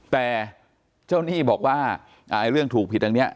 แต่เจ้าหนี้บอกว่าเรื่องถูกผิดอันนี้